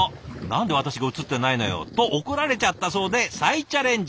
「何で私が映ってないのよ？」と怒られちゃったそうで再チャレンジ。